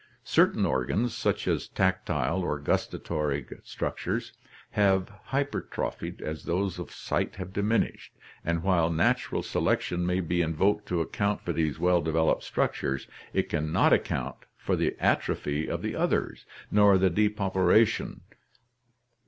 Certain organs, such as tactile or gustatory structures, have hyper trophied as those of sight have diminished, and while natural selec tion may be invoked to account for these well developed structures, it can not account for the atrophy of the others nor for the depau peration.